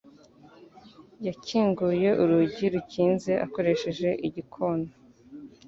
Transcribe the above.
Yakinguye urugi rukinze akoresheje igikona.